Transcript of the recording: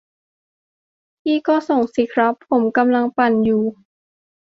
พี่ก็ส่งสิครับ ผมกำลังปั่นอยู่